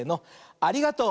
ありがとう。